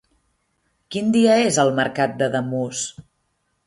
Quin dia és el mercat d'Ademús?